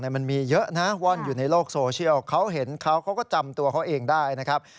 มันมีเยอะนะว่อนอยู่ในโลกโซเชียลเขาเห็นเขาเขาก็จำตัวเขาเองได้นะครับ